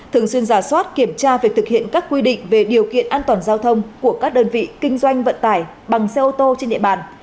thường xuyên giả soát kiểm tra việc thực hiện các quy định về điều kiện an toàn giao thông của các đơn vị kinh doanh vận tải bằng xe ô tô trên địa bàn